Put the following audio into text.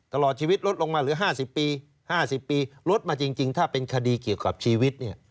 ตลอดชีวิตลดลงมาเหลือ๕๐ปี๕๐ปีลดมาจริงถ้าเป็นคดีเกี่ยวกับชีวิตเนี่ย